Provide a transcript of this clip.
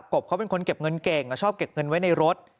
บเขาเป็นคนเก็บเงินเก่งชอบเก็บเงินไว้ในรถ